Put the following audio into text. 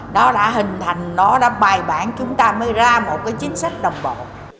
nó đã hình thành nó đã bài bản chúng ta mới ra một cái chính sách đồng bộ